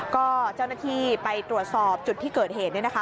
ก็เจ้าหน้าที่ไปตรวจสอบจุดที่เกิดเหตุเนี่ยนะคะ